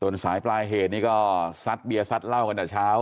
ส่วนสายปลายเหตุนี้ก็ซัดเบียร์ซัดเหล้ากันแต่เช้า